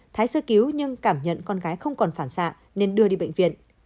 thái sơ cứu nhưng cảm nhận con gái không còn phản xạ nên đưa đi bệnh viện